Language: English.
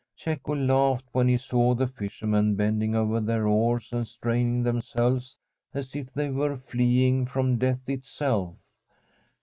Cecco laughed when he saw the fishermen bending over their oars and straining themselves as if they were fleeing from death itself.